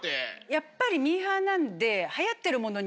やっぱりミーハーなんで。